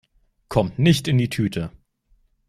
Kommt nicht in die Tüte!